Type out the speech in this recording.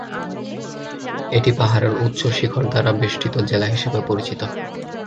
এটি পাহাড়ের উচ্চ শিখর দ্বারা বেষ্টিত জেলা হিসেবে পরিচিত।